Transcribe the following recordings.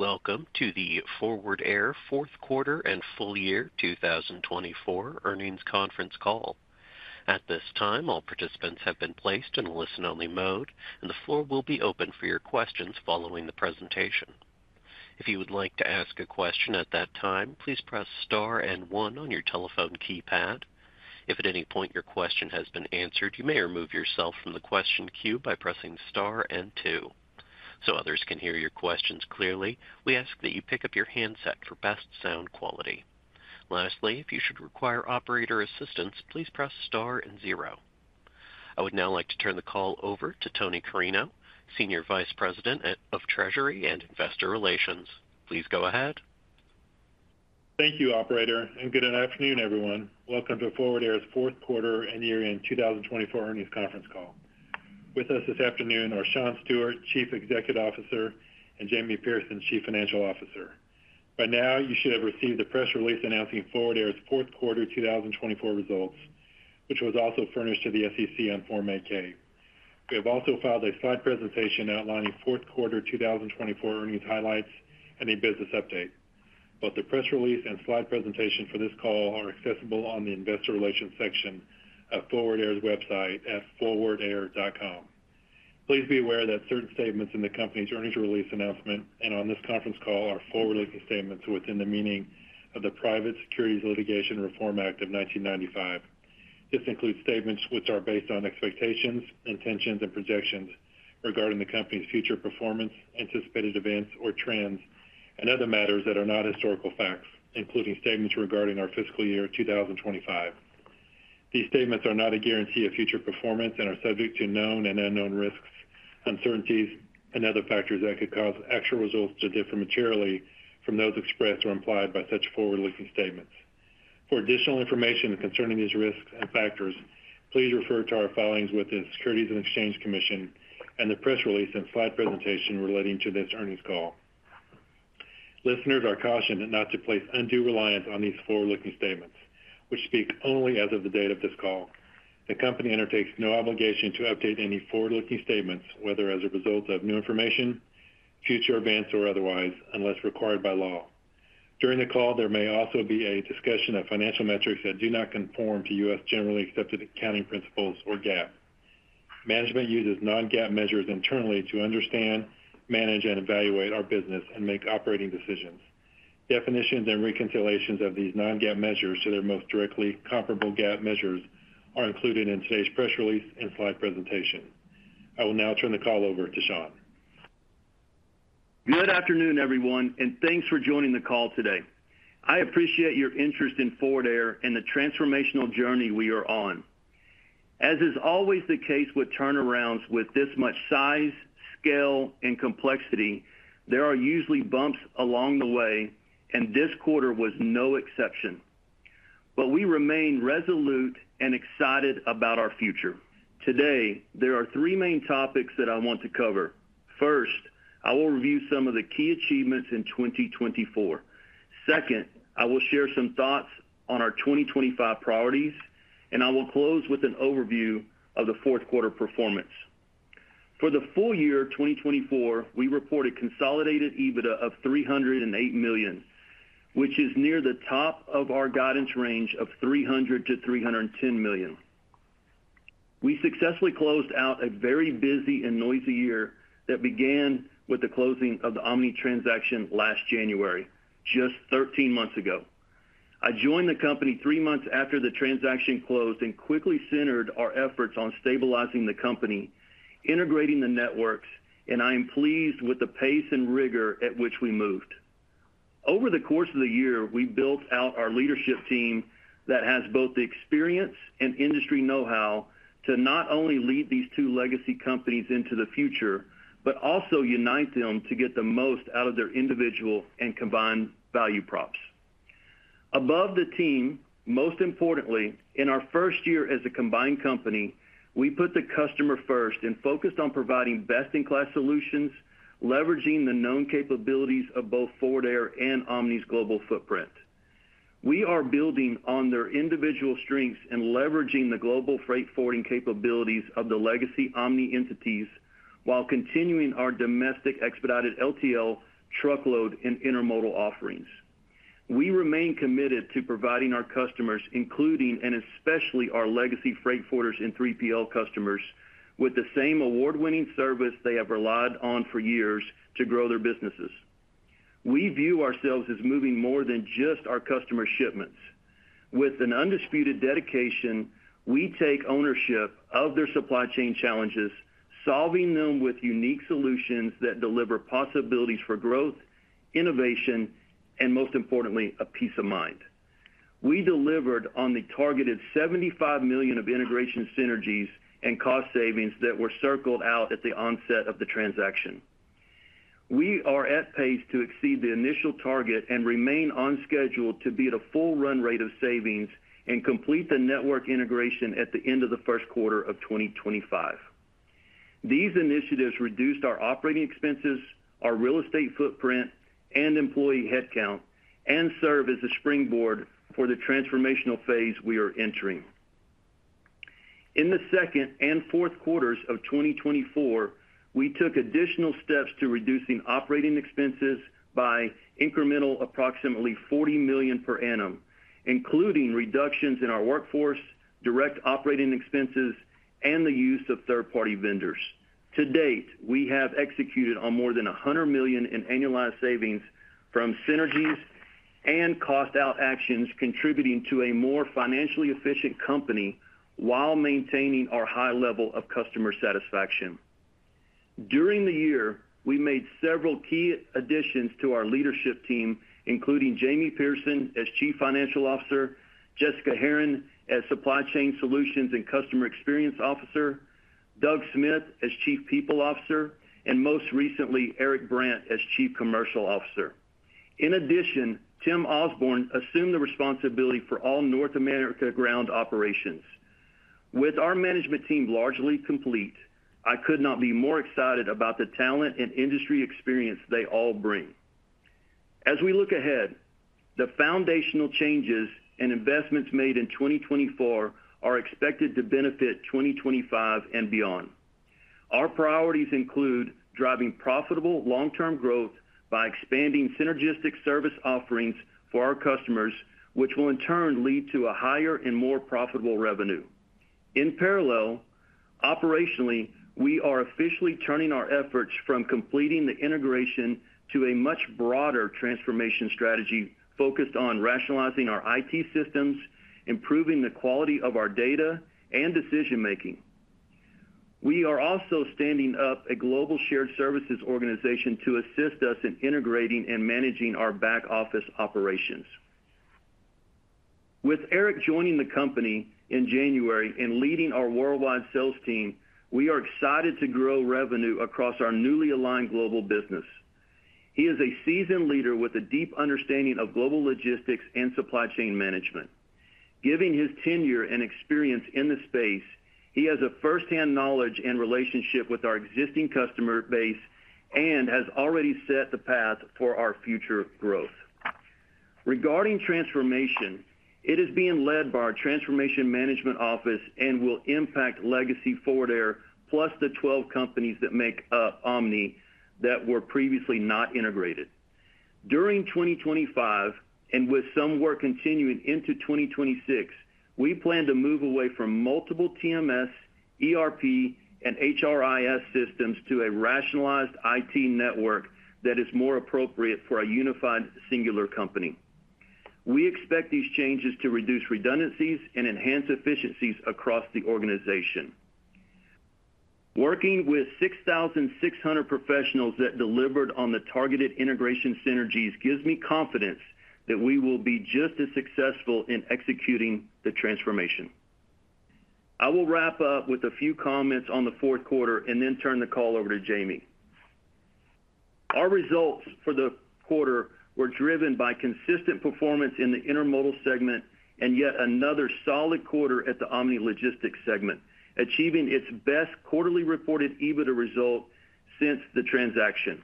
Welcome to the Forward Air Fourth Quarter and Full Year 2024 Earnings Conference Call. At this time, all participants have been placed in listen-only mode, and the floor will be open for your questions following the presentation. If you would like to ask a question at that time, please press star and one on your telephone keypad. If at any point your question has been answered, you may remove yourself from the question queue by pressing star and two, so others can hear your questions clearly, we ask that you pick up your handset for best sound quality. Lastly, if you should require operator assistance, please press star and zero. I would now like to turn the call over to Tony Carrino, Senior Vice President of Treasury and Investor Relations. Please go ahead. Thank you, Operator, and good afternoon, everyone. Welcome to Forward Air's fourth quarter and year-end 2024 earnings conference call. With us this afternoon are Shawn Stewart, Chief Executive Officer, and Jamie Pierson, Chief Financial Officer. By now, you should have received the press release announcing Forward Air's fourth quarter 2024 results, which was also furnished to the SEC on Form 8-K. We have also filed a slide presentation outlining fourth quarter 2024 earnings highlights and a business update. Both the press release and slide presentation for this call are accessible on the Investor Relations section of Forward Air's website at forwardair.com. Please be aware that certain statements in the company's earnings release announcement and on this conference call are forward-looking statements within the meaning of the Private Securities Litigation Reform Act of 1995. This includes statements which are based on expectations, intentions, and projections regarding the company's future performance, anticipated events or trends, and other matters that are not historical facts, including statements regarding our fiscal year 2025. These statements are not a guarantee of future performance and are subject to known and unknown risks, uncertainties, and other factors that could cause actual results to differ materially from those expressed or implied by such forward-looking statements. For additional information concerning these risks and factors, please refer to our filings with the Securities and Exchange Commission and the press release and slide presentation relating to this earnings call. Listeners are cautioned not to place undue reliance on these forward-looking statements, which speak only as of the date of this call. The company undertakes no obligation to update any forward-looking statements, whether as a result of new information, future events, or otherwise, unless required by law. During the call, there may also be a discussion of financial metrics that do not conform to U.S. generally accepted accounting principles or GAAP. Management uses non-GAAP measures internally to understand, manage, and evaluate our business and make operating decisions. Definitions and reconciliations of these non-GAAP measures to their most directly comparable GAAP measures are included in today's press release and slide presentation. I will now turn the call over to Shawn. Good afternoon, everyone, and thanks for joining the call today. I appreciate your interest in Forward Air and the transformational journey we are on. As is always the case with turnarounds with this much size, scale, and complexity, there are usually bumps along the way, and this quarter was no exception. But we remain resolute and excited about our future. Today, there are three main topics that I want to cover. First, I will review some of the key achievements in 2024. Second, I will share some thoughts on our 2025 priorities, and I will close with an overview of the fourth quarter performance. For the full year 2024, we reported consolidated EBITDA of $308 million, which is near the top of our guidance range of $300-$310 million. We successfully closed out a very busy and noisy year that began with the closing of the Omni transaction last January, just 13 months ago. I joined the company three months after the transaction closed and quickly centered our efforts on stabilizing the company, integrating the networks, and I am pleased with the pace and rigor at which we moved. Over the course of the year, we built out our leadership team that has both the experience and industry know-how to not only lead these two legacy companies into the future, but also unite them to get the most out of their individual and combined value props. Above the team, most importantly, in our first year as a combined company, we put the customer first and focused on providing best-in-class solutions, leveraging the known capabilities of both Forward Air and Omni's global footprint. We are building on their individual strengths and leveraging the global freight forwarding capabilities of the legacy Omni entities while continuing our domestic expedited LTL truckload and intermodal offerings. We remain committed to providing our customers, including and especially our legacy freight forwarders and 3PL customers, with the same award-winning service they have relied on for years to grow their businesses. We view ourselves as moving more than just our customer shipments. With an undisputed dedication, we take ownership of their supply chain challenges, solving them with unique solutions that deliver possibilities for growth, innovation, and most importantly, a peace of mind. We delivered on the targeted $75 million of integration synergies and cost savings that were circled out at the onset of the transaction. We are on pace to exceed the initial target and remain on schedule to be at a full run rate of savings and complete the network integration at the end of the first quarter of 2025. These initiatives reduced our operating expenses, our real estate footprint, and employee headcount, and serve as a springboard for the transformational phase we are entering. In the second and fourth quarters of 2024, we took additional steps to reducing operating expenses by incremental approximately $40 million per annum, including reductions in our workforce, direct operating expenses, and the use of third-party vendors. To date, we have executed on more than $100 million in annualized savings from synergies and cost-out actions, contributing to a more financially efficient company while maintaining our high level of customer satisfaction. During the year, we made several key additions to our leadership team, including Jamie Pierson as Chief Financial Officer, Jessalyn Herron as Supply Chain Solutions and Customer Experience Officer, Doug Smith as Chief People Officer, and most recently, Erik Brandt as Chief Commercial Officer. In addition, Tim Osborne assumed the responsibility for all North America ground operations. With our management team largely complete, I could not be more excited about the talent and industry experience they all bring. As we look ahead, the foundational changes and investments made in 2024 are expected to benefit 2025 and beyond. Our priorities include driving profitable long-term growth by expanding synergistic service offerings for our customers, which will in turn lead to a higher and more profitable revenue. In parallel, operationally, we are officially turning our efforts from completing the integration to a much broader transformation strategy focused on rationalizing our IT systems, improving the quality of our data, and decision-making. We are also standing up a global shared services organization to assist us in integrating and managing our back-office operations. With Erik joining the company in January and leading our worldwide sales team, we are excited to grow revenue across our newly aligned global business. He is a seasoned leader with a deep understanding of global logistics and supply chain management. Given his tenure and experience in the space, he has a firsthand knowledge and relationship with our existing customer base and has already set the path for our future growth. Regarding transformation, it is being led by our Transformation Management Office and will impact legacy Forward Air, plus the 12 companies that make up Omni that were previously not integrated. During 2025, and with some work continuing into 2026, we plan to move away from multiple TMS, ERP, and HRIS systems to a rationalized IT network that is more appropriate for a unified singular company. We expect these changes to reduce redundancies and enhance efficiencies across the organization. Working with 6,600 professionals that delivered on the targeted integration synergies gives me confidence that we will be just as successful in executing the transformation. I will wrap up with a few comments on the fourth quarter and then turn the call over to Jamie. Our results for the quarter were driven by consistent performance in the Intermodal segment and yet another solid quarter at the Omni Logistics segment, achieving its best quarterly reported EBITDA result since the transaction.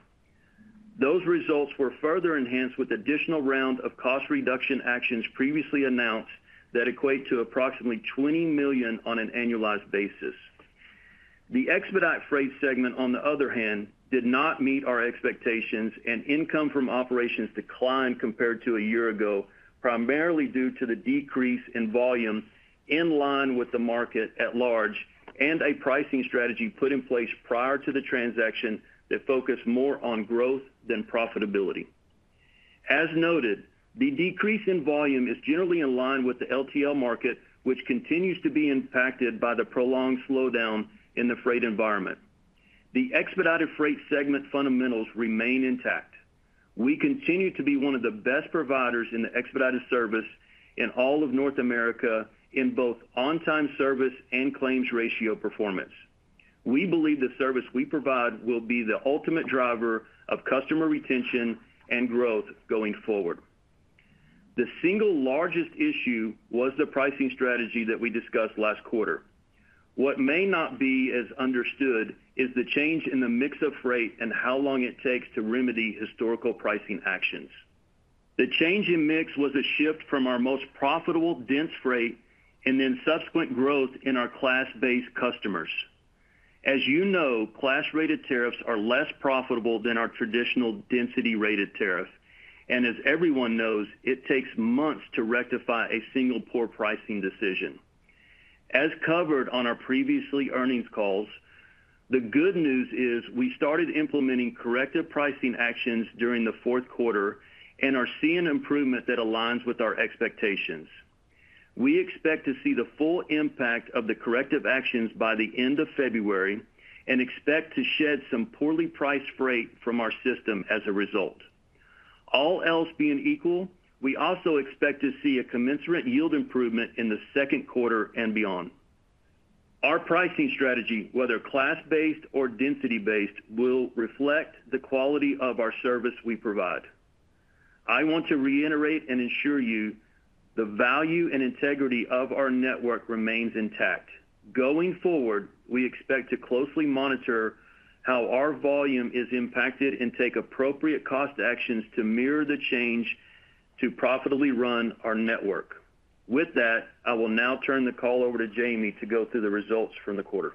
Those results were further enhanced with additional round of cost reduction actions previously announced that equate to approximately $20 million on an annualized basis. The Expedited Freight segment, on the other hand, did not meet our expectations, and income from operations declined compared to a year ago, primarily due to the decrease in volume in line with the market at large and a pricing strategy put in place prior to the transaction that focused more on growth than profitability. As noted, the decrease in volume is generally in line with the LTL market, which continues to be impacted by the prolonged slowdown in the freight environment. The Expedited Freight segment fundamentals remain intact. We continue to be one of the best providers in the expedited service in all of North America in both on-time service and claims ratio performance. We believe the service we provide will be the ultimate driver of customer retention and growth going forward. The single largest issue was the pricing strategy that we discussed last quarter. What may not be as understood is the change in the mix of freight and how long it takes to remedy historical pricing actions. The change in mix was a shift from our most profitable dense freight and then subsequent growth in our class-based customers. As you know, class-rated tariffs are less profitable than our traditional density-rated tariff, and as everyone knows, it takes months to rectify a single poor pricing decision. As covered on our previous earnings calls, the good news is we started implementing corrective pricing actions during the fourth quarter and are seeing improvement that aligns with our expectations. We expect to see the full impact of the corrective actions by the end of February and expect to shed some poorly priced freight from our system as a result. All else being equal, we also expect to see a commensurate yield improvement in the second quarter and beyond. Our pricing strategy, whether class-based or density-based, will reflect the quality of our service we provide. I want to reiterate and ensure you the value and integrity of our network remains intact. Going forward, we expect to closely monitor how our volume is impacted and take appropriate cost actions to mirror the change to profitably run our network. With that, I will now turn the call over to Jamie to go through the results from the quarter.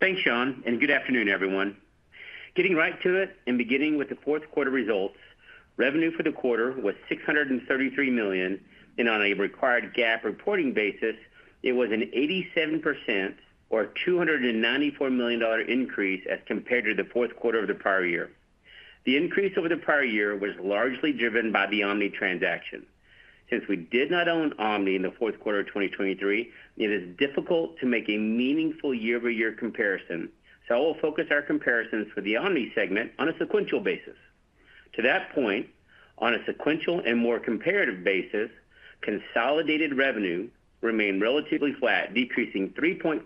Thanks, Shawn, and good afternoon, everyone. Getting right to it and beginning with the fourth quarter results, revenue for the quarter was $633 million, and on a required GAAP reporting basis, it was an 87% or $294 million increase as compared to the fourth quarter of the prior year. The increase over the prior year was largely driven by the Omni transaction. Since we did not own Omni in the fourth quarter of 2023, it is difficult to make a meaningful year-over-year comparison, so I will focus our comparisons for the Omni segment on a sequential basis. To that point, on a sequential and more comparative basis, consolidated revenue remained relatively flat, decreasing 3.5%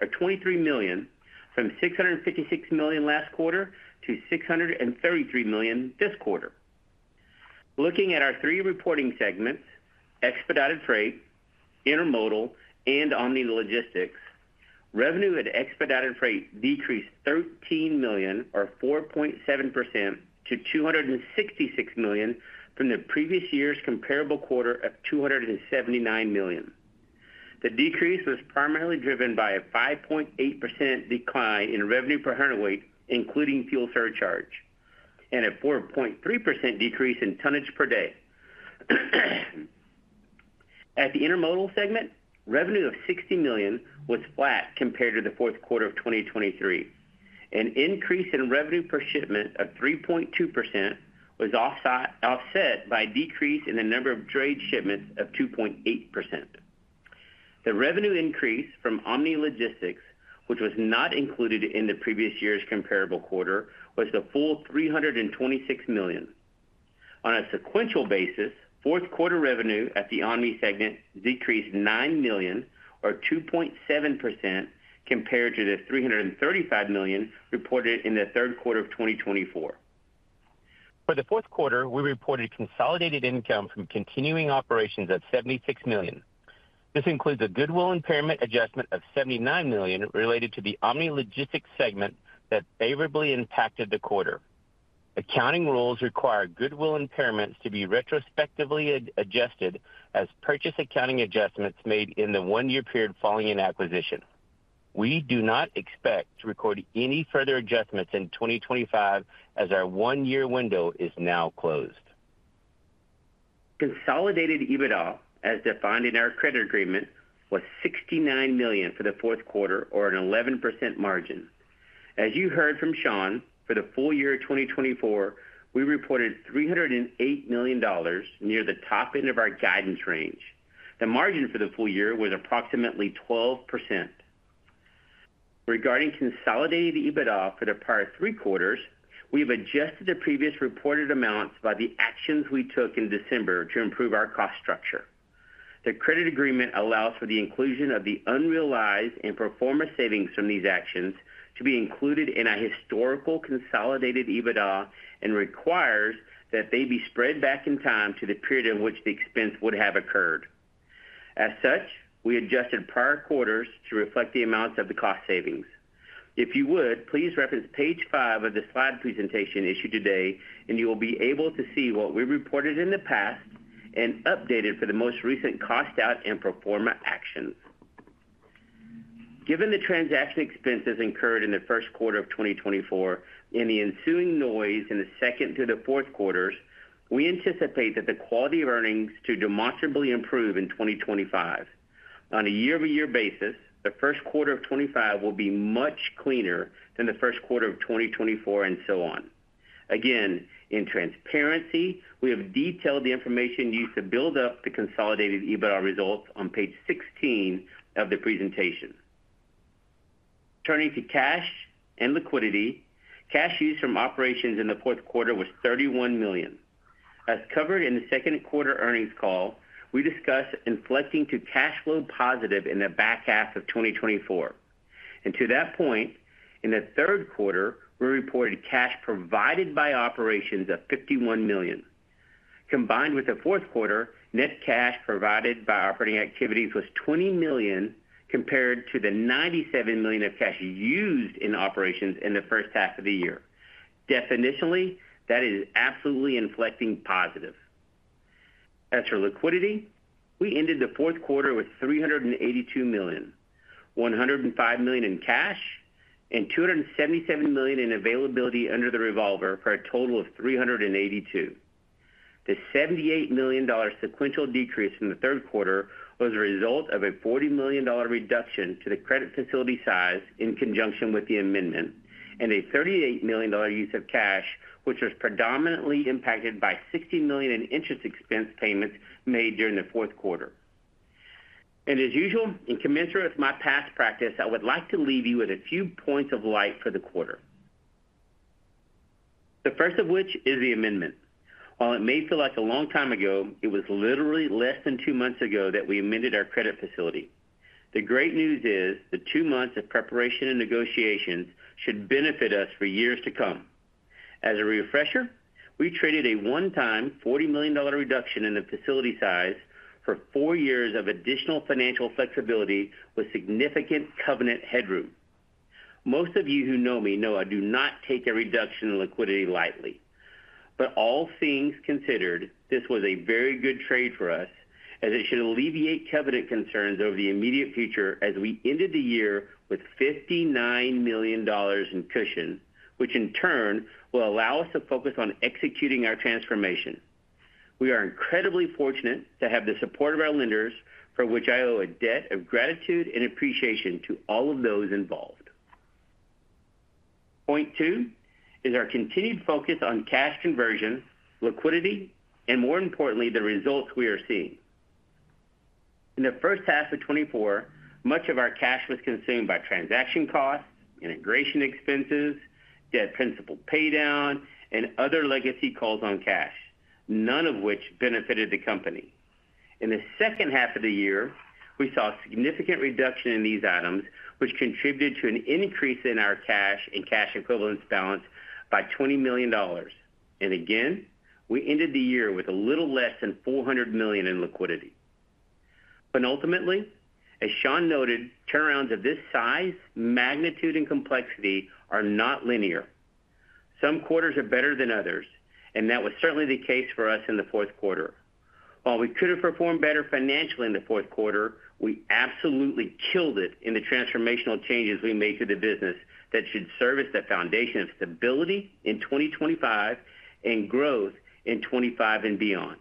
or $23 million from $656 million last quarter to $633 million this quarter. Looking at our three reporting segments, expedited freight, intermodal, and Omni Logistics, revenue at expedited freight decreased $13 million or 4.7% to $266 million from the previous year's comparable quarter of $279 million. The decrease was primarily driven by a 5.8% decline in revenue per hundredweight, including fuel surcharge, and a 4.3% decrease in tonnage per day. At the intermodal segment, revenue of $60 million was flat compared to the fourth quarter of 2023. An increase in revenue per shipment of 3.2% was offset by a decrease in the number of dray shipments of 2.8%. The revenue increase from Omni Logistics, which was not included in the previous year's comparable quarter, was the full $326 million. On a sequential basis, fourth quarter revenue at the Omni segment decreased $9 million or 2.7% compared to the $335 million reported in the third quarter of 2024. For the fourth quarter, we reported consolidated income from continuing operations at $76 million. This includes a goodwill impairment adjustment of $79 million related to the Omni Logistics segment that favorably impacted the quarter. Accounting rules require goodwill impairments to be retrospectively adjusted as purchase accounting adjustments made in the one-year period following an acquisition. We do not expect to record any further adjustments in 2025 as our one-year window is now closed. Consolidated EBITDA, as defined in our credit agreement, was $69 million for the fourth quarter, or an 11% margin. As you heard from Shawn, for the full year of 2024, we reported $308 million near the top end of our guidance range. The margin for the full year was approximately 12%. Regarding consolidated EBITDA for the prior three quarters, we have adjusted the previous reported amounts by the actions we took in December to improve our cost structure. The credit agreement allows for the inclusion of the unrealized and performance savings from these actions to be included in a historical consolidated EBITDA and requires that they be spread back in time to the period in which the expense would have occurred. As such, we adjusted prior quarters to reflect the amounts of the cost savings. If you would, please reference page five of the slide presentation issued today, and you will be able to see what we reported in the past and updated for the most recent cost-out and performance actions. Given the transaction expenses incurred in the first quarter of 2024 and the ensuing noise in the second through the fourth quarters, we anticipate that the quality of earnings to demonstrably improve in 2025. On a year-over-year basis, the first quarter of 2025 will be much cleaner than the first quarter of 2024 and so on. Again, in transparency, we have detailed the information used to build up the consolidated EBITDA results on page 16 of the presentation. Turning to cash and liquidity, cash used from operations in the fourth quarter was $31 million. As covered in the second quarter earnings call, we discussed inflecting to cash flow positive in the back half of 2024. And to that point, in the third quarter, we reported cash provided by operations of $51 million. Combined with the fourth quarter, net cash provided by operating activities was $20 million compared to the $97 million of cash used in operations in the first half of the year. Definitionally, that is absolutely inflecting positive. As for liquidity, we ended the fourth quarter with $382 million, $105 million in cash, and $277 million in availability under the revolver for a total of $382. The $78 million sequential decrease in the third quarter was a result of a $40 million reduction to the credit facility size in conjunction with the amendment and a $38 million use of cash, which was predominantly impacted by $60 million in interest expense payments made during the fourth quarter. And as usual, in commensurate with my past practice, I would like to leave you with a few points of light for the quarter. The first of which is the amendment. While it may feel like a long time ago, it was literally less than two months ago that we amended our credit facility. The great news is the two months of preparation and negotiations should benefit us for years to come. As a refresher, we traded a one-time $40 million reduction in the facility size for four years of additional financial flexibility with significant covenant headroom. Most of you who know me know I do not take a reduction in liquidity lightly. But all things considered, this was a very good trade for us, as it should alleviate covenant concerns over the immediate future as we ended the year with $59 million in cushion, which in turn will allow us to focus on executing our transformation. We are incredibly fortunate to have the support of our lenders, for which I owe a debt of gratitude and appreciation to all of those involved. Point two is our continued focus on cash conversion, liquidity, and more importantly, the results we are seeing. In the first half of 2024, much of our cash was consumed by transaction costs, integration expenses, debt principal paydown, and other legacy calls on cash, none of which benefited the company. In the second half of the year, we saw a significant reduction in these items, which contributed to an increase in our cash and cash equivalents balance by $20 million. And again, we ended the year with a little less than $400 million in liquidity. But ultimately, as Shawn noted, turnarounds of this size, magnitude, and complexity are not linear. Some quarters are better than others, and that was certainly the case for us in the fourth quarter. While we could have performed better financially in the fourth quarter, we absolutely killed it in the transformational changes we made to the business that should serve as the foundation of stability in 2025 and growth in 2025 and beyond.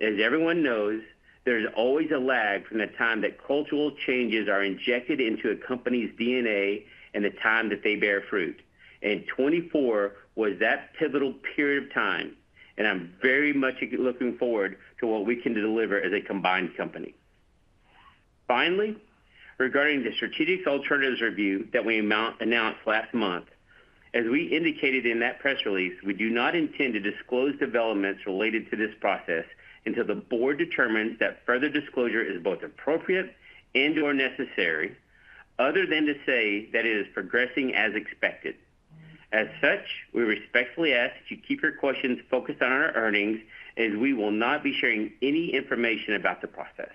As everyone knows, there's always a lag from the time that cultural changes are injected into a company's DNA and the time that they bear fruit, and 2024 was that pivotal period of time, and I'm very much looking forward to what we can deliver as a combined company. Finally, regarding the strategic alternatives review that we announced last month, as we indicated in that press release, we do not intend to disclose developments related to this process until the Board determines that further disclosure is both appropriate and/or necessary, other than to say that it is progressing as expected. As such, we respectfully ask that you keep your questions focused on our earnings, as we will not be sharing any information about the process.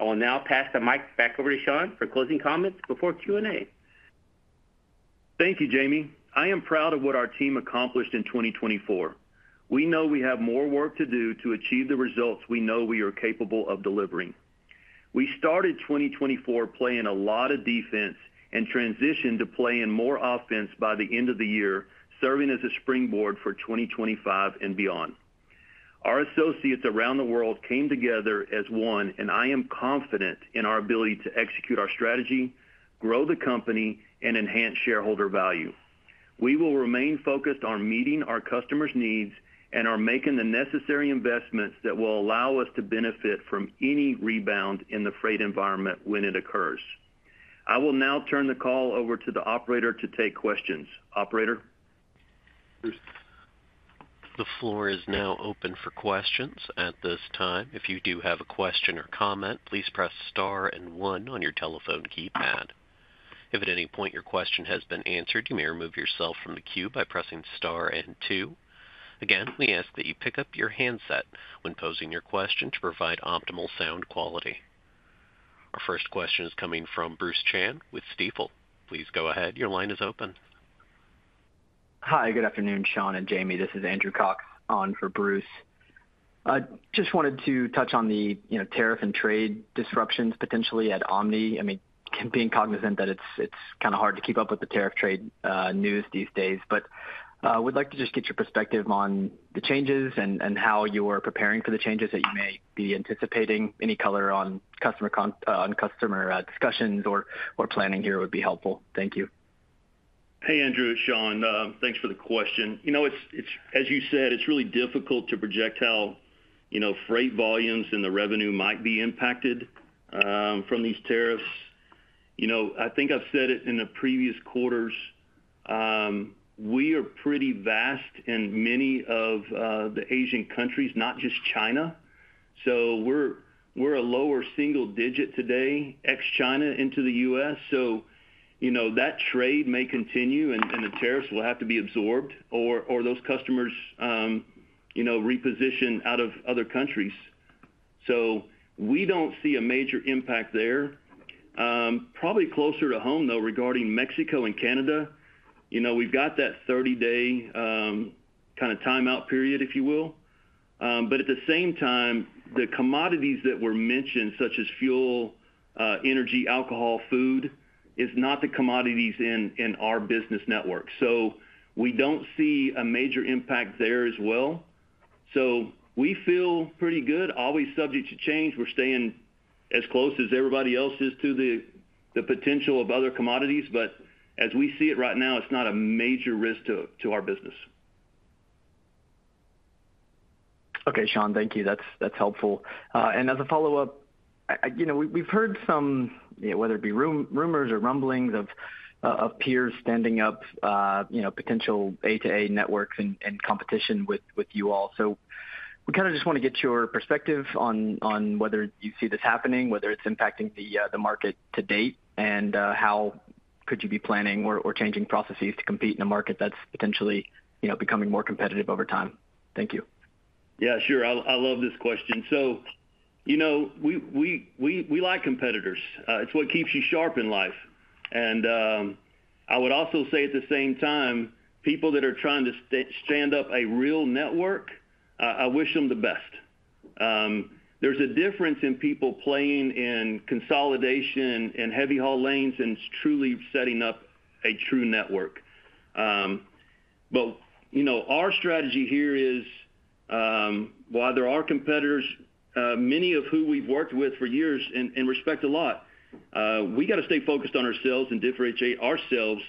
I will now pass the mic back over to Shawn for closing comments before Q&A. Thank you, Jamie. I am proud of what our team accomplished in 2024. We know we have more work to do to achieve the results we know we are capable of delivering. We started 2024 playing a lot of defense and transitioned to playing more offense by the end of the year, serving as a springboard for 2025 and beyond. Our associates around the world came together as one, and I am confident in our ability to execute our strategy, grow the company, and enhance shareholder value. We will remain focused on meeting our customers' needs and on making the necessary investments that will allow us to benefit from any rebound in the freight environment when it occurs. I will now turn the call over to the operator to take questions. Operator. The floor is now open for questions at this time. If you do have a question or comment, please press star and one on your telephone keypad. If at any point your question has been answered, you may remove yourself from the queue by pressing star and two. Again, we ask that you pick up your handset when posing your question to provide optimal sound quality. Our first question is coming from Bruce Chan with Stifel. Please go ahead. Your line is open. Hi, good afternoon, Shawn and Jamie. This is Andrew Cox on for Bruce. I just wanted to touch on the tariff and trade disruptions potentially at Omni. I mean, being cognizant that it's kind of hard to keep up with the tariff trade news these days, but we'd like to just get your perspective on the changes and how you are preparing for the changes that you may be anticipating. Any color on customer discussions or planning here would be helpful. Thank you. Hey, Andrew, Shawn, thanks for the question. As you said, it's really difficult to project how freight volumes and the revenue might be impacted from these tariffs. I think I've said it in the previous quarters. We are pretty vast in many of the Asian countries, not just China. So we're a lower single digit today ex-China into the U.S. So that trade may continue, and the tariffs will have to be absorbed or those customers repositioned out of other countries. So we don't see a major impact there. Probably closer to home, though, regarding Mexico and Canada, we've got that 30-day kind of timeout period, if you will. But at the same time, the commodities that were mentioned, such as fuel, energy, alcohol, food, are not the commodities in our business network. So we don't see a major impact there as well. So we feel pretty good, always subject to change. We're staying as close as everybody else is to the potential of other commodities. But as we see it right now, it's not a major risk to our business. Okay, Shawn, thank you. That's helpful. And as a follow-up, we've heard some, whether it be rumors or rumblings of peers standing up potential A2A networks and competition with you all. So we kind of just want to get your perspective on whether you see this happening, whether it's impacting the market to date, and how could you be planning or changing processes to compete in a market that's potentially becoming more competitive over time. Thank you. Yeah, sure. I love this question, so we like competitors. It's what keeps you sharp in life, and I would also say at the same time, people that are trying to stand up a real network, I wish them the best. There's a difference in people playing in consolidation and heavy haul lanes and truly setting up a true network, but our strategy here is, while there are competitors, many of whom we've worked with for years and respect a lot, we got to stay focused on ourselves and differentiate ourselves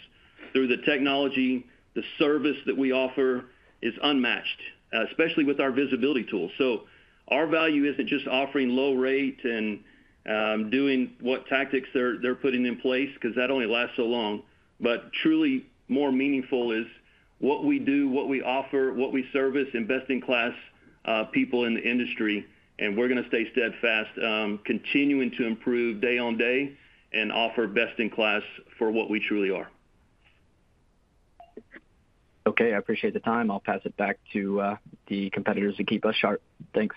through the technology. The service that we offer is unmatched, especially with our visibility tools, so our value isn't just offering low rate and doing what tactics they're putting in place, because that only lasts so long, but truly more meaningful is what we do, what we offer, what we service, best-in-class people in the industry. We're going to stay steadfast, continuing to improve day on day and offer best in class for what we truly are. Okay, I appreciate the time. I'll pass it back to the competitors to keep us sharp. Thanks.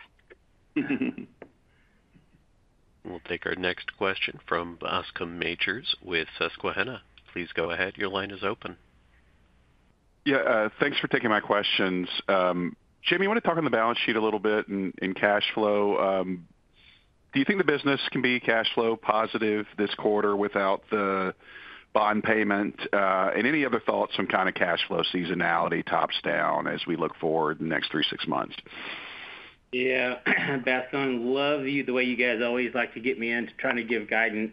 We'll take our next question from Bascome Majors with Susquehanna. Please go ahead. Your line is open. Yeah, thanks for taking my questions. Jamie, I want to talk on the balance sheet a little bit and cash flow. Do you think the business can be cash flow positive this quarter without the bond payment? And any other thoughts on kind of cash flow seasonality top down as we look forward in the next three, six months? Yeah, Bas, I love you the way you guys always like to get me into trying to give guidance,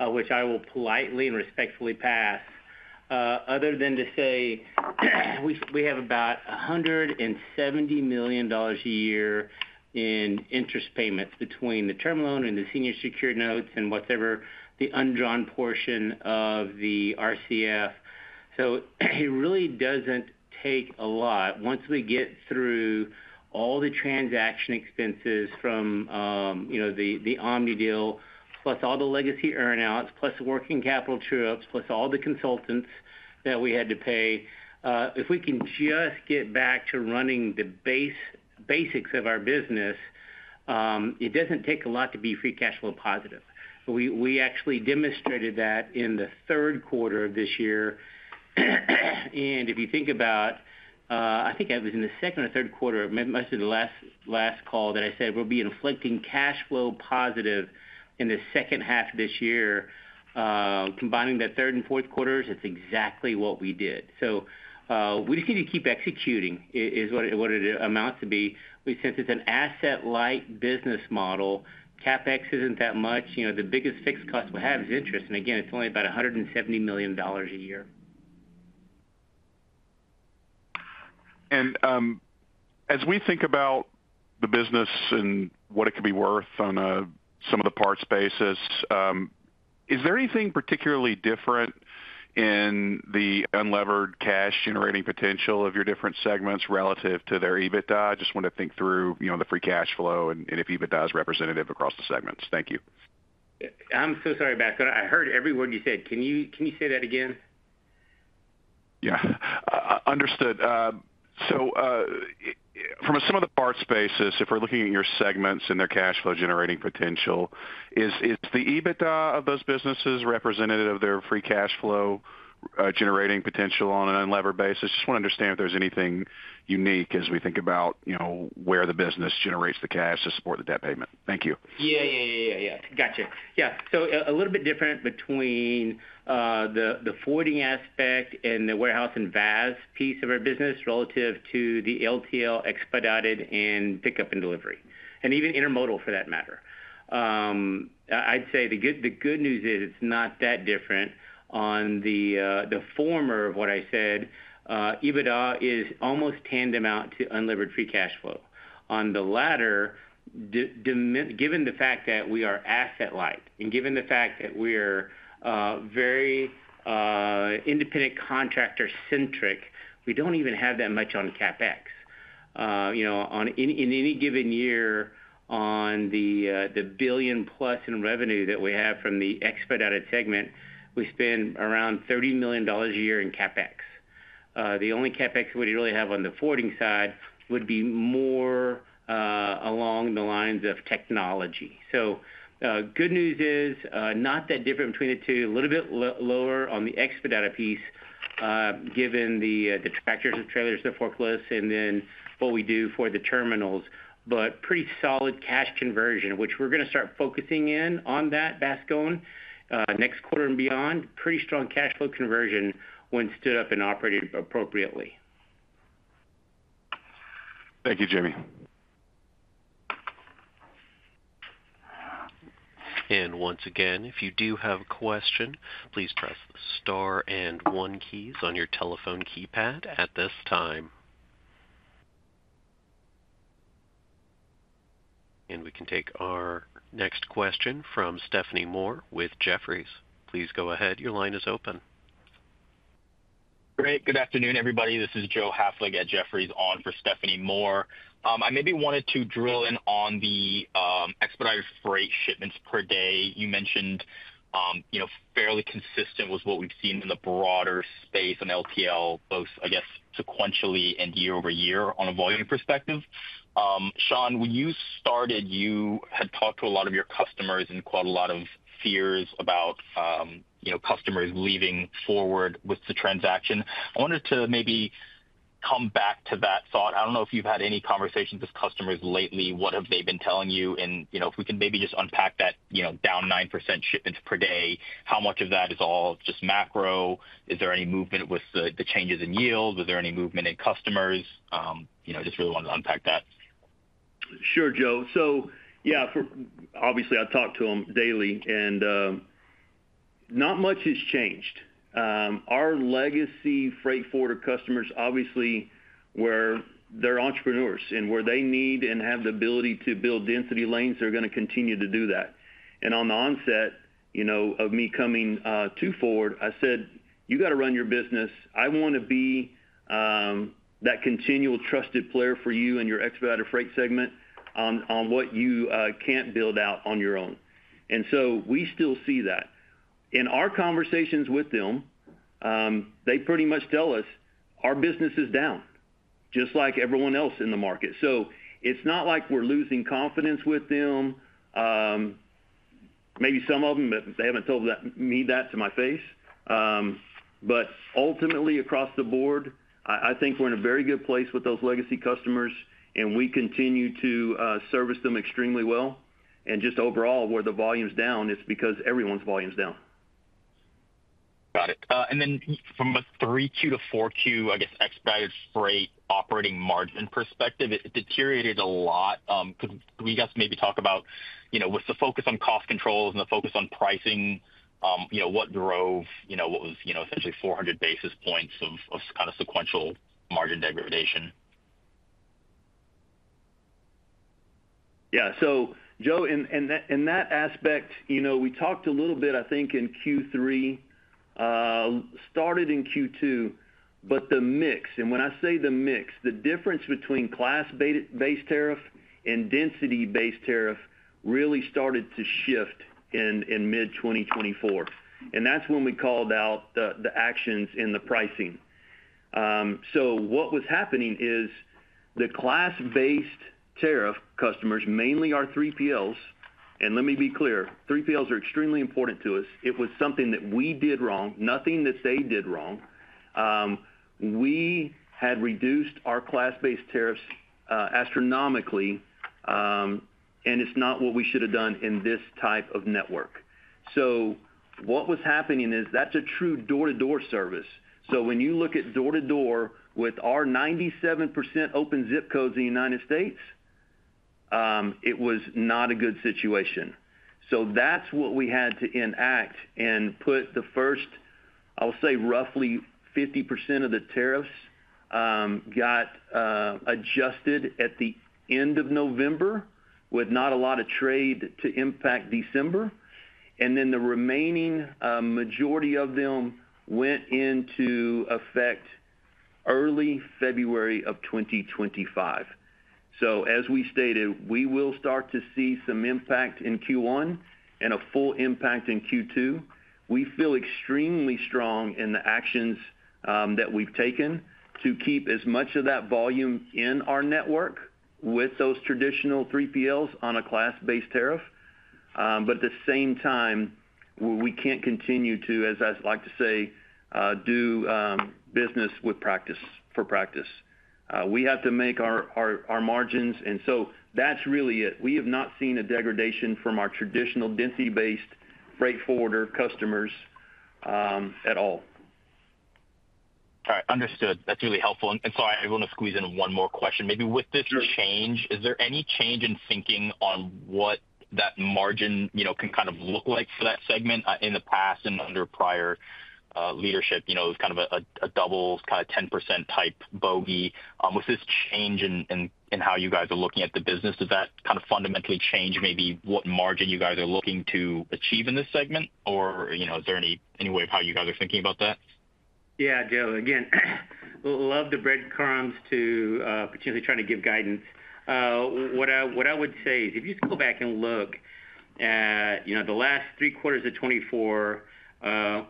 which I will politely and respectfully pass. Other than to say we have about $170 million a year in interest payments between the term loan and the senior secured notes and whatever the undrawn portion of the RCF. So it really doesn't take a lot. Once we get through all the transaction expenses from the Omni deal, plus all the legacy earnouts, plus the working capital trips, plus all the consultants that we had to pay, if we can just get back to running the basics of our business, it doesn't take a lot to be free cash flow positive. We actually demonstrated that in the third quarter of this year. If you think about, I think it was in the second or third quarter of most of the last call that I said, we'll be cash flow positive in the second half of this year. Combining the third and fourth quarters, it's exactly what we did. We just need to keep executing is what it amounts to be. Since it's an asset-light business model, CapEx isn't that much. The biggest fixed cost we have is interest. Again, it's only about $170 million a year. As we think about the business and what it could be worth on some of the parts basis, is there anything particularly different in the unlevered cash generating potential of your different segments relative to their EBITDA? I just want to think through the free cash flow and if EBITDA is representative across the segments. Thank you. I'm so sorry, Bas. I heard every word you said. Can you say that again? Yeah. Understood. So from a sum-of-the-parts basis, if we're looking at your segments and their cash flow generating potential, is the EBITDA of those businesses representative of their free cash flow generating potential on an unlevered basis? Just want to understand if there's anything unique as we think about where the business generates the cash to support the debt payment. Thank you. Yeah, yeah, yeah, yeah, yeah. Gotcha. Yeah. So a little bit different between the forwarding aspect and the warehouse and VAS piece of our business relative to the LTL expedited and pickup and delivery, and even intermodal for that matter. I'd say the good news is it's not that different. On the former of what I said, EBITDA is almost tandem out to unlevered free cash flow. On the latter, given the fact that we are asset-light and given the fact that we're very independent contractor-centric, we don't even have that much on CapEx. In any given year on the billion-plus in revenue that we have from the expedited segment, we spend around $30 million a year in CapEx. The only CapEx we'd really have on the forwarding side would be more along the lines of technology. So good news is not that different between the two, a little bit lower on the expedited piece given the tractors and trailers to forklifts and then what we do for the terminals, but pretty solid cash conversion, which we're going to start focusing in on that, Bascome, next quarter and beyond, pretty strong cash flow conversion when stood up and operated appropriately. Thank you, Jamie. And once again, if you do have a question, please press the star and one keys on your telephone keypad at this time. And we can take our next question from Stephanie Moore with Jefferies. Please go ahead. Your line is open. Great. Good afternoon, everybody. This is Joe Hafling at Jefferies on for Stephanie Moore. I maybe wanted to drill in on the expedited freight shipments per day. You mentioned fairly consistent with what we've seen in the broader space on LTL, both, I guess, sequentially and year over year on a volume perspective. Shawn, when you started, you had talked to a lot of your customers and caught a lot of fears about customers leaving Forward with the transaction. I wanted to maybe come back to that thought. I don't know if you've had any conversations with customers lately. What have they been telling you? And if we can maybe just unpack that down 9% shipments per day, how much of that is all just macro? Is there any movement with the changes in yield? Was there any movement in customers? Just really wanted to unpack that. Sure, Joe, so yeah, obviously, I talk to them daily, and not much has changed. Our legacy freight forwarder customers, obviously, where they're entrepreneurs and where they need and have the ability to build density lanes, they're going to continue to do that, and on the onset of me coming to Forward, I said, "You got to run your business. I want to be that continual trusted player for you and your expedited freight segment on what you can't build out on your own," and so we still see that. In our conversations with them, they pretty much tell us our business is down, just like everyone else in the market. So it's not like we're losing confidence with them. Maybe some of them, but they haven't told me that to my face. But ultimately, across the board, I think we're in a very good place with those legacy customers, and we continue to service them extremely well. And just overall, where the volume's down, it's because everyone's volume's down. Got it. And then from a Q3 to Q4, I guess, Expedited Freight operating margin perspective, it deteriorated a lot. Could we maybe talk about with the focus on cost controls and the focus on pricing, what drove what was essentially 400 basis points of kind of sequential margin degradation? Yeah, so Joe, in that aspect, we talked a little bit, I think, in Q3, started in Q2, but the mix, and when I say the mix, the difference between class-based tariff and density-based tariff really started to shift in mid-2024, and that's when we called out the actions in the pricing, so what was happening is the class-based tariff customers mainly are 3PLs, and let me be clear, 3PLs are extremely important to us. It was something that we did wrong, nothing that they did wrong. We had reduced our class-based tariffs astronomically, and it's not what we should have done in this type of network, so what was happening is that's a true door-to-door service, so when you look at door-to-door with our 97% open zip codes in the United States, it was not a good situation. So that's what we had to enact and put the first, I'll say, roughly 50% of the tariffs got adjusted at the end of November with not a lot of trade to impact December. And then the remaining majority of them went into effect early February of 2025. So as we stated, we will start to see some impact in Q1 and a full impact in Q2. We feel extremely strong in the actions that we've taken to keep as much of that volume in our network with those traditional 3PLs on a class-based tariff. But at the same time, we can't continue to, as I like to say, do business for practice. We have to make our margins. And so that's really it. We have not seen a degradation from our traditional density-based freight forwarder customers at all. All right. Understood. That's really helpful. And sorry, I want to squeeze in one more question. Maybe with this change, is there any change in thinking on what that margin can kind of look like for that segment in the past and under prior leadership, kind of a double kind of 10% type bogey? With this change in how you guys are looking at the business, does that kind of fundamentally change maybe what margin you guys are looking to achieve in this segment? Or is there any way of how you guys are thinking about that? Yeah, Joe. Again, love the breadcrumbs to potentially trying to give guidance. What I would say is if you just go back and look at the last three quarters of 2024,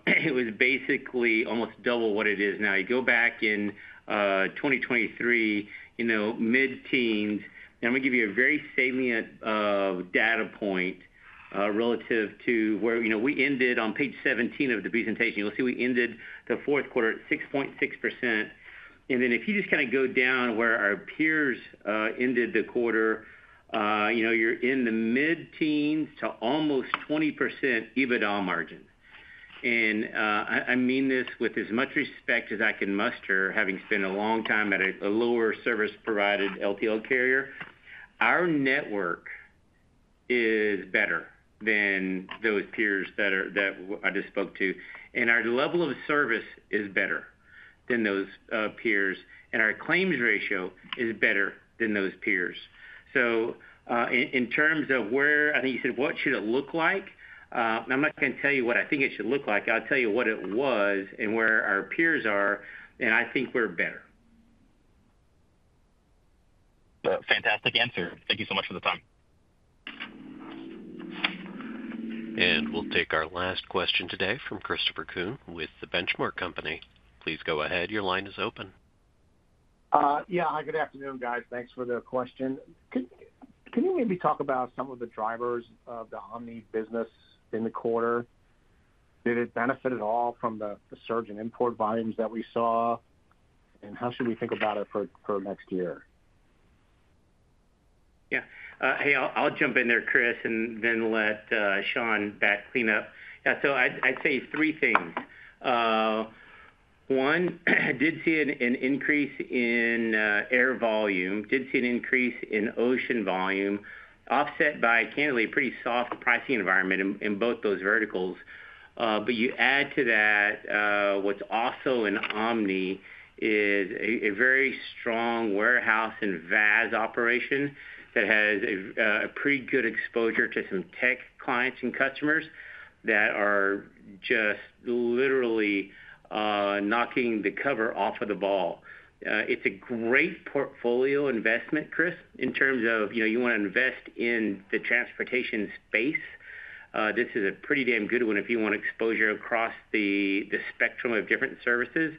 it was basically almost double what it is now. You go back in 2023, mid-teens, and I'm going to give you a very salient data point relative to where we ended on page 17 of the presentation. You'll see we ended the fourth quarter at 6.6%, and then if you just kind of go down where our peers ended the quarter, you're in the mid-teens to almost 20% EBITDA margin, and I mean this with as much respect as I can muster, having spent a long time at a lower service-provided LTL carrier. Our network is better than those peers that I just spoke to, and our level of service is better than those peers. And our claims ratio is better than those peers. So in terms of where I think you said, "What should it look like?" I'm not going to tell you what I think it should look like. I'll tell you what it was and where our peers are. And I think we're better. Fantastic answer. Thank you so much for the time. And we'll take our last question today from Christopher Kuhn with The Benchmark Company. Please go ahead. Your line is open. Yeah. Hi, good afternoon, guys. Thanks for the question. Can you maybe talk about some of the drivers of the Omni business in the quarter? Did it benefit at all from the surge in import volumes that we saw? And how should we think about it for next year? Yeah. Hey, I'll jump in there, Chris, and then let Shawn back clean up. Yeah. So I'd say three things. One, I did see an increase in air volume, did see an increase in ocean volume, offset by candidly a pretty soft pricing environment in both those verticals. But you add to that what's also an Omni is a very strong warehouse and VAS operation that has a pretty good exposure to some tech clients and customers that are just literally knocking the cover off of the ball. It's a great portfolio investment, Chris, in terms of you want to invest in the transportation space. This is a pretty damn good one if you want exposure across the spectrum of different services.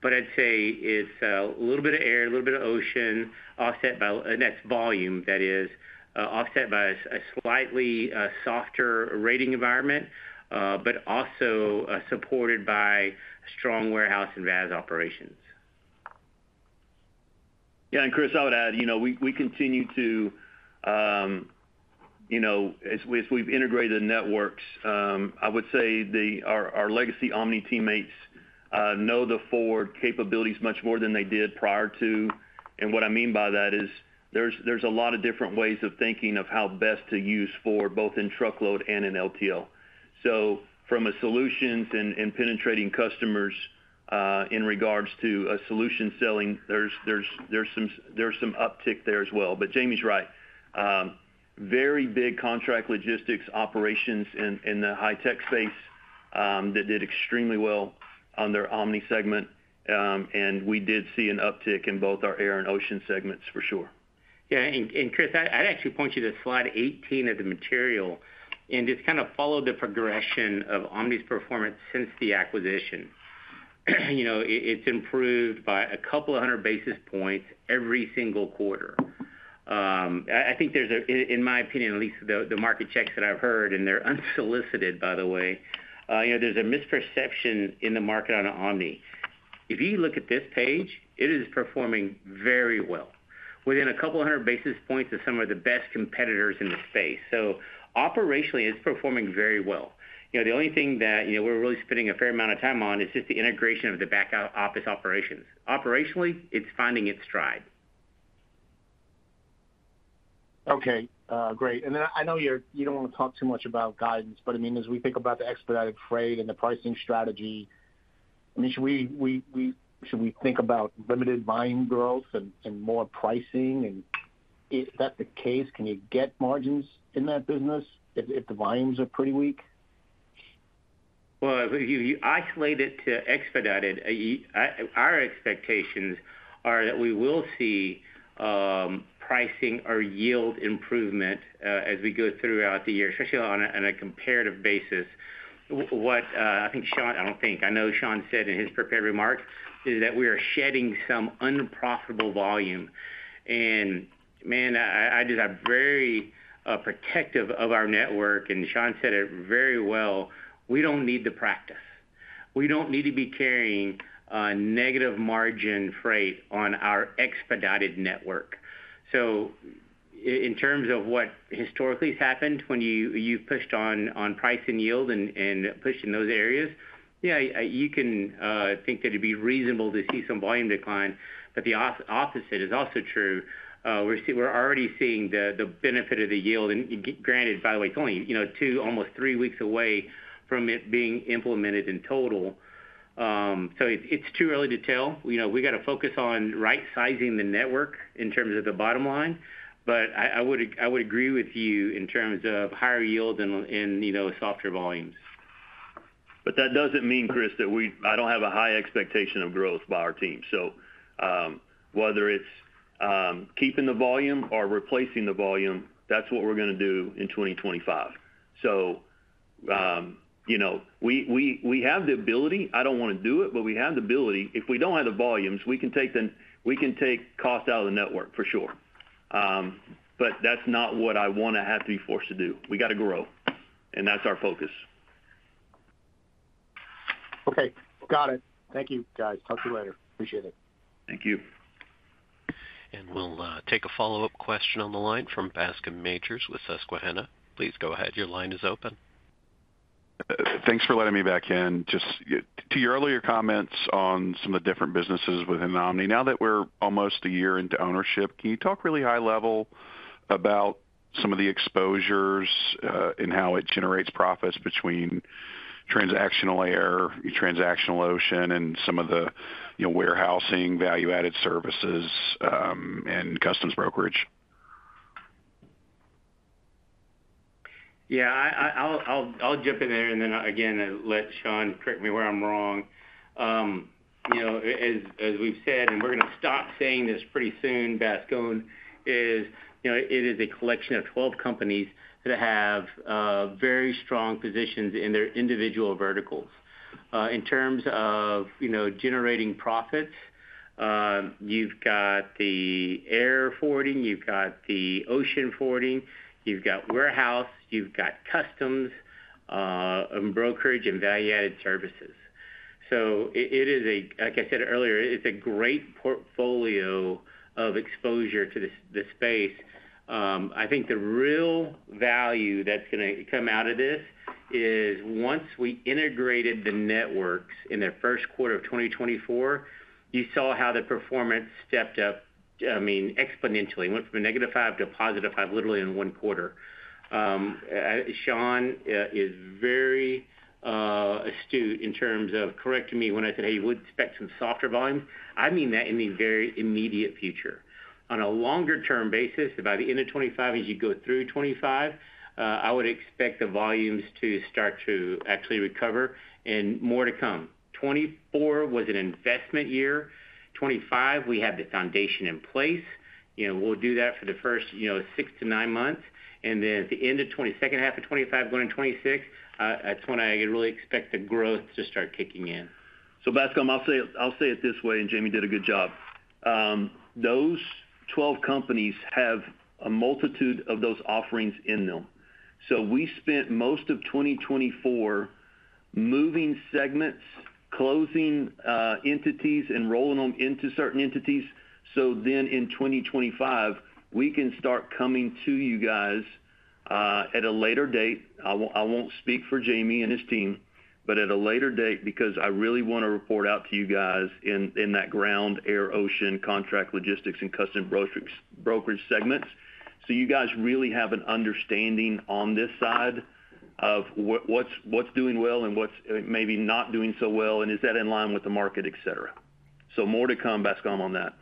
But I'd say it's a little bit of air, a little bit of ocean, offset by that volume that is offset by a slightly softer rating environment, but also supported by strong warehouse and VAS operations. Yeah. And Chris, I would add we continue to, as we've integrated the networks, I would say our legacy Omni teammates know the Forward capabilities much more than they did prior to. And what I mean by that is there's a lot of different ways of thinking of how best to use Forward, both in truckload and in LTL. So from a solutions and penetrating customers in regards to a solution selling, there's some uptick there as well. But Jamie's right. Very big contract logistics operations in the high-tech space that did extremely well on their Omni segment. And we did see an uptick in both our air and ocean segments for sure. Yeah. And, Chris, I'd actually point you to slide 18 of the material and just kind of follow the progression of Omni's performance since the acquisition. It's improved by a couple of hundred basis points every single quarter. I think there's, in my opinion, at least the market checks that I've heard, and they're unsolicited, by the way. There's a misperception in the market on Omni. If you look at this page, it is performing very well. Within a couple of hundred basis points of some of the best competitors in the space. So operationally, it's performing very well. The only thing that we're really spending a fair amount of time on is just the integration of the back office operations. Operationally, it's finding its stride. Okay. Great, and then I know you don't want to talk too much about guidance, but I mean, as we think about the expedited freight and the pricing strategy, I mean, should we think about limited volume growth and more pricing? And if that's the case, can you get margins in that business if the volumes are pretty weak? If you isolate it to expedited, our expectations are that we will see pricing or yield improvement as we go throughout the year, especially on a comparative basis. What I know Shawn said in his prepared remarks is that we are shedding some unprofitable volume. Man, I just am very protective of our network. Shawn said it very well. We don't need the traffic. We don't need to be carrying negative margin freight on our expedited network. In terms of what historically has happened when you've pushed on price and yield and pushed in those areas, yeah, you can think that it'd be reasonable to see some volume decline. The opposite is also true. We're already seeing the benefit of the yield. And granted, by the way, it's only two, almost three weeks away from it being implemented in total. So it's too early to tell. We got to focus on right-sizing the network in terms of the bottom line. But I would agree with you in terms of higher yield and softer volumes. But that doesn't mean, Chris, that I don't have a high expectation of growth by our team. So whether it's keeping the volume or replacing the volume, that's what we're going to do in 2025. So we have the ability. I don't want to do it, but we have the ability. If we don't have the volumes, we can take cost out of the network for sure. But that's not what I want to have to be forced to do. We got to grow. And that's our focus. Okay. Got it. Thank you, guys. Talk to you later. Appreciate it. Thank you. We'll take a follow-up question on the line from Bascom Majors with Susquehanna. Please go ahead. Your line is open. Thanks for letting me back in. Just to your earlier comments on some of the different businesses within Omni, now that we're almost a year into ownership, can you talk really high level about some of the exposures and how it generates profits between transactional air, transactional ocean, and some of the warehousing, value-added services, and customs brokerage? Yeah. I'll jump in there and then again, let Shawn correct me where I'm wrong. As we've said, and we're going to stop saying this pretty soon, Bascom, it is a collection of 12 companies that have very strong positions in their individual verticals. In terms of generating profits, you've got the air forwarding, you've got the ocean forwarding, you've got warehouse, you've got customs and brokerage and value-added services. So it is a, like I said earlier, it's a great portfolio of exposure to the space. I think the real value that's going to come out of this is once we integrated the networks in the first quarter of 2024, you saw how the performance stepped up, I mean, exponentially. It went from a negative five to a positive five literally in one quarter. Shawn is very astute in terms of correcting me when I said, "Hey, we expect some softer volumes." I mean that in the very immediate future. On a longer-term basis, by the end of 2025, as you go through 2025, I would expect the volumes to start to actually recover and more to come. 2024 was an investment year. 2025, we have the foundation in place. We'll do that for the first six to nine months. And then at the end of 2022, second half of 2025, going into 2026, that's when I really expect the growth to start kicking in. So Bascom, I'll say it this way, and Jamie did a good job. Those 12 companies have a multitude of those offerings in them. So we spent most of 2024 moving segments, closing entities, and rolling them into certain entities. So then in 2025, we can start coming to you guys at a later date. I won't speak for Jamie and his team, but at a later date because I really want to report out to you guys in that ground, air, ocean, contract, logistics, and customs brokerage segments. So you guys really have an understanding on this side of what's doing well and what's maybe not doing so well, and is that in line with the market, etc. So more to come, Bascom, on that.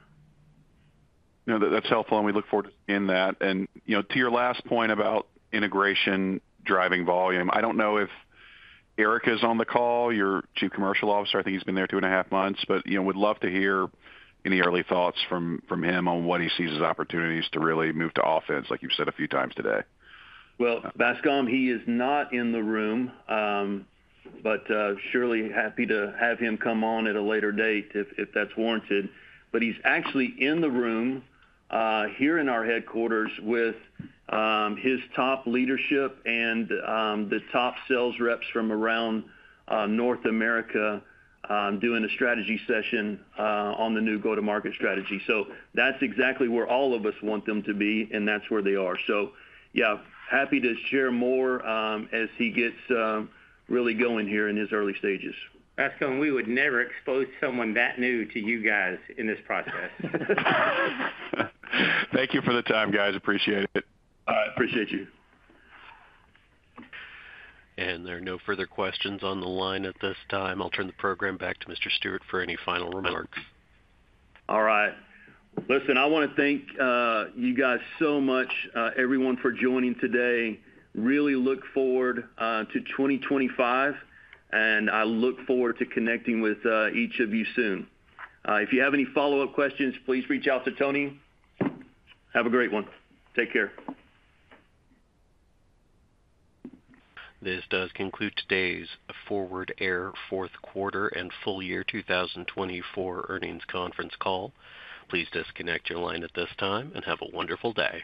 No, that's helpful. And we look forward to seeing that. And to your last point about integration driving volume, I don't know if Eric is on the call, your Chief Commercial Officer. I think he's been there two and a half months, but would love to hear any early thoughts from him on what he sees as opportunities to really move to offense, like you've said a few times today. Well, Bascom, he is not in the room, but surely happy to have him come on at a later date if that's warranted. But he's actually in the room here in our headquarters with his top leadership and the top sales reps from around North America doing a strategy session on the new go-to-market strategy. So that's exactly where all of us want them to be, and that's where they are. So yeah, happy to share more as he gets really going here in his early stages. Bascom, we would never expose someone t hat new to you guys in this process. Thank you for the time, guys. Appreciate it. All right. Appreciate you. And there are no further questions on the line at this time. I'll turn the program back to Mr. Stewart for any final remarks. All right. Listen, I want to thank you guys so much, everyone, for joining today. Really look forward to 2025, and I look forward to connecting with each of you soon. If you have any follow-up questions, please reach out to Tony. Have a great one. Take care. This does conclude today's Forward Air fourth quarter and full year 2024 earnings conference call. Please disconnect your line at this time and have a wonderful day.